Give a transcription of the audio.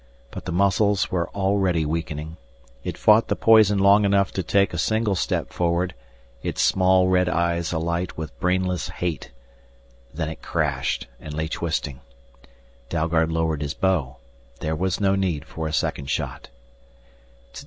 But the muscles were already weakening. It fought the poison long enough to take a single step forward, its small red eyes alight with brainless hate. Then it crashed and lay twisting. Dalgard lowered his bow. There was no need for a second shot.